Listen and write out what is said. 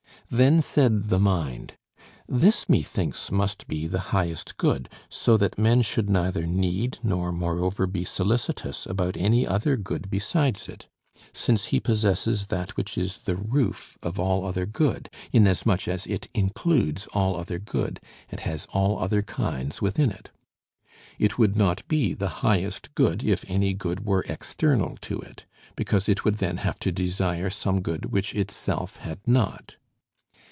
Then said the Mind: This, methinks, must be the highest good, so that men should neither need, nor moreover be solicitous, about any other good besides it; since he possesses that which is the roof of all other good, inasmuch as it includes all other good, and has all other kinds within it. It would not be the highest good if any good were external to it, because it would then have to desire some good which itself had not.